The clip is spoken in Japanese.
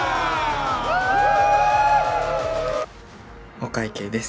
お会計です。